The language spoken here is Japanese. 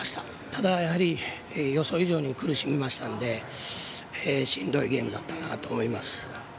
ただ予想以上に苦しみましたのでしんどいゲームだったなと思います。